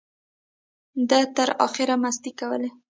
ده تر اخره مستۍ کولې.